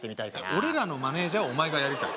俺らのマネージャーをお前がやりたい？